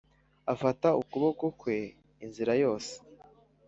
afata ukuboko kwe inzira yose.